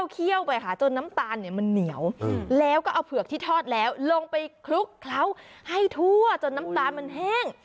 เคี่ยวไปค่ะจนน้ำตาลเนี่ยมันเหนียวแล้วก็เอาเผือกที่ทอดแล้วลงไปคลุกเคล้าให้ทั่วจนน้ำตาลมันแห้ง